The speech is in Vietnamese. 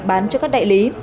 bán cho các đại lý